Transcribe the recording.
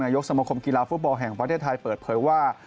ยกสมคมกีฬาฟุตบอลแห่งประเทศไทยเปิดเผยว่า